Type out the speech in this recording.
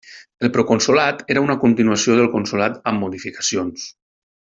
El proconsolat era una continuació del consolat amb modificacions.